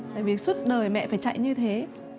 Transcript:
tại vì suốt đời mẹ phải chạy như thế